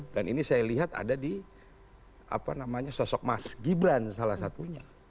dan ini saya lihat ada di apa namanya sosok emas gibran salah satunya